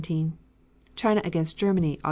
China against Germany, Aug.